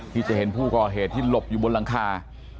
ที่จะเห็นผู้ก่อเหตุที่หลบอยู่บนหลังคา